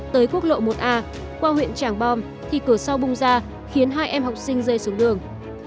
tới quốc lộ một a qua huyện tràng bom thì cửa sau bung ra khiến hai em học sinh rơi xuống đường